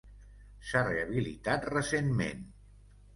S'ha rehabilitat recentment.